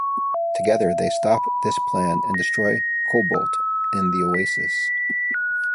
Together they stop this plan and destroy Kobolt and the Oasis.